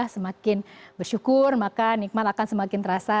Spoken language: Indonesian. semakin bersyukur maka nikmat akan semakin terasa